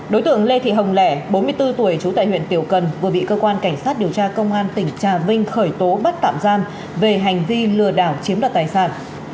đối tượng lê thị hồng lẻ bốn mươi bốn tuổi trú tại huyện tiểu cần vừa bị cơ quan cảnh sát điều tra công an tỉnh trà vinh khởi tố bắt tạm giam về hành vi lừa đảo chiếm đoạt tài sản